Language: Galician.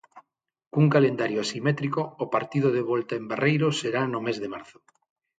Cun calendario asimétrico, o partido de volta en Barreiro será no mes de marzo.